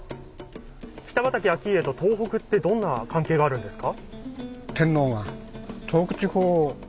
北畠顕家と東北ってどんな関係があるんですか？